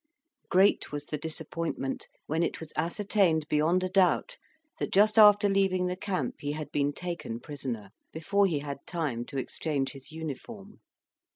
Great was the disappointment when it was ascertained beyond a doubt that just after leaving the camp he had been taken prisoner, before he had time to exchange his uniform.